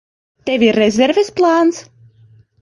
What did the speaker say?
Tev ir rezerves plāns?